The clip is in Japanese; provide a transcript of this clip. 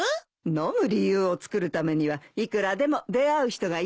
飲む理由をつくるためにはいくらでも出会う人がいるんですよ。